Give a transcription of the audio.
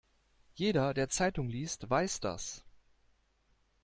Jeder, der Zeitung liest, weiß das.